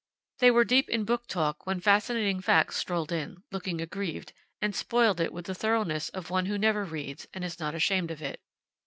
They were deep in book talk when Fascinating Facts strolled in, looking aggrieved, and spoiled it with the thoroughness of one who never reads, and is not ashamed of it.